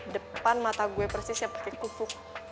depan mata gue persis ya pake kupu